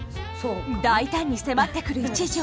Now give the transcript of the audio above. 大胆に迫ってくる一条。